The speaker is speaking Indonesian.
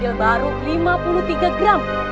nih model baru lima puluh tiga gram